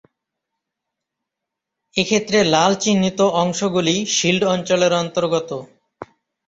এক্ষেত্রে লাল চিহ্নিত অংশ গুলি শিল্ড অঞ্চলের অন্তর্গত।